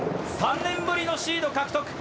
３年ぶりのシード獲得。